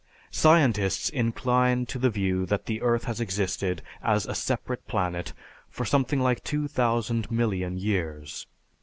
Scientists incline to the view that the earth has existed as a separate planet for something like two thousand million years (2,000,000,000).